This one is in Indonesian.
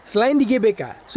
selain di gbk superstore indonesia